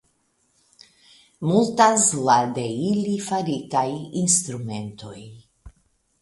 Multas la de ili faritaj instrumentoj.